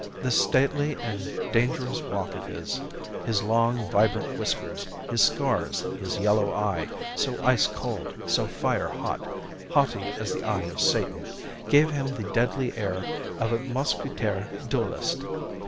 This stately and dangerous walk of his, his long, vibrant whiskers, his scars, his yellow eye, so ice cold, so fire hot, haughty as the eye of Satan, gave him the deadly air of a mousquetaire duellist.